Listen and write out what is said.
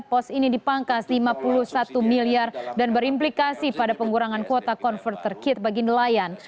pos ini dipangkas lima puluh satu miliar dan berimplikasi pada pengurangan kuota converter kit bagi nelayan